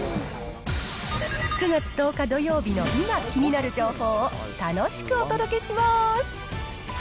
９月１０日土曜日の今、気になる情報を楽しくお届けします。